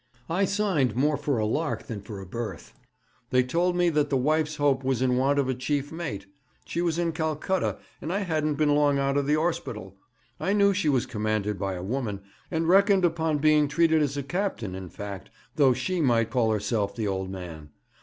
'I signed more for a lark than for a berth. They told me that the Wife's Hope was in want of a chief mate. She was in Calcutta, and I hadn't been long out of 'orspital. I knew she was commanded by a woman, and reckoned upon being treated as captain, in fact, though she might call herself the old man.